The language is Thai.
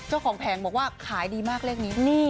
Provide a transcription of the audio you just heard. เจ้าของแผงบอกว่าคายดีมากเลขนี้